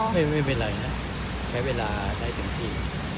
ไม่เป็นไรนะใช้เวลาได้เต็มที่